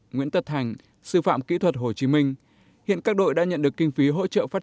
nguyễn tật thành sư phạm kỹ thuật hồ chí minh hiện các đội đã nhận được kinh phí hỗ trợ phát